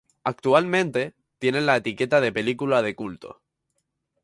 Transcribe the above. Actualmente tiene la etiqueta de película de culto.